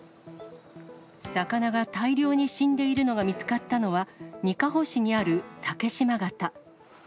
魚が大量に死んでいるのが見つかったのは、にかほ市にある竹嶋潟。